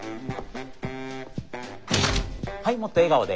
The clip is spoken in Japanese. はいもっと笑顔で。